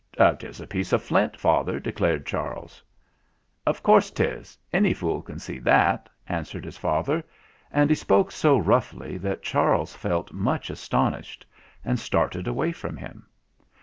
" 'Tis a piece of flint, father," declared Charles. "Of course 'tis any fool can see that," answered his father; and he spoke so roughly that Charles felt much astonished, and started away from him.